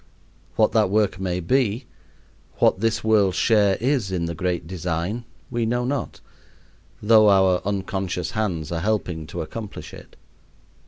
What that work may be what this world's share is in the great design we know not, though our unconscious hands are helping to accomplish it.